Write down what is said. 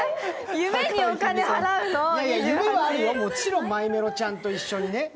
夢はあるよ、もちろんマイメロちゃんと一緒にね。